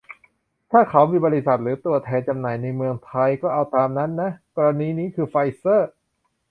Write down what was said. ถ้าเขามีบริษัทหรือตัวแทนจำหน่ายในเมืองไทย ก็เอาตามนั้นอ่ะ กรณีนี้คือ "ไฟเซอร์"